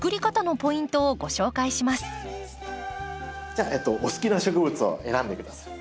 じゃあお好きな植物を選んで下さい。